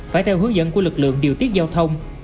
phải theo hướng dẫn của lực lượng điều tiết giao thông